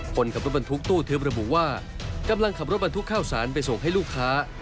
คนขับรถบรรทุกตู้ทึบระบุว่ากำลังขับรถบรรทุกข้าวสารไปส่งให้ลูกค้า